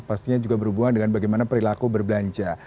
pastinya juga berhubungan dengan bagaimana perilaku berbelanja